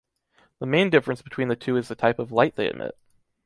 The main difference between the two is the type of light they emit.